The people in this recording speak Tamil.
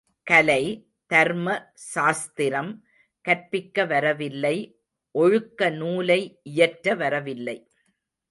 கலை, தர்ம சாஸ்திரம் கற்பிக்க வரவில்லை ஒழுக்க நூலை இயற்ற வரவில்லை.